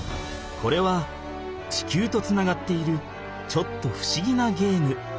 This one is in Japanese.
これは地球とつながっているちょっとふしぎなゲーム。